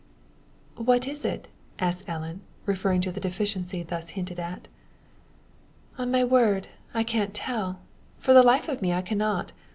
"What is it?" asks Ellen, referring to the deficiency thus hinted at. "On my word, I can't tell for the life of me I cannot.